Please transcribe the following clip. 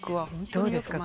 どうですか？